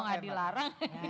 kalau enggak dilarang